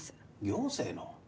行政の？